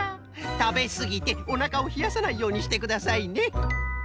たべすぎておなかをひやさないようにしてくださいね。